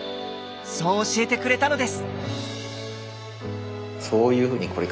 そう教えてくれたのです。